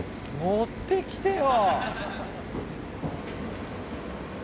持ってきてよ！